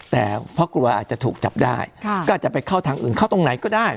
แต่เพราะกลัวอาจจะถูกจับได้ก็อาจจะไปเข้าทางอื่นเข้าตรงไหนก็ได้